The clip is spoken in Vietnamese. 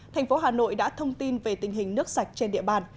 thành phố hà nội đã thông tin về tình hình nước sạch trên địa bàn